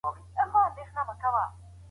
د انارګل مور په ویاړ سره خپله ځولۍ وڅنډله.